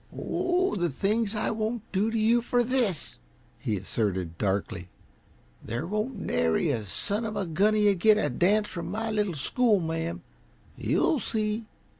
"Oh, the things I won't do to you for this!" he asserted, darkly. "There won't nary a son of a gun uh yuh get a dance from my little schoolma'am you'll see!"